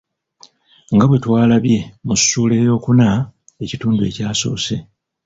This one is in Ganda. Nga bwe twalabye mu ssuula ey'okuna ekitundu ekyasoose.